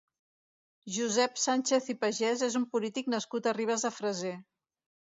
Josep Sánchez i Pagès és un polític nascut a Ribes de Freser.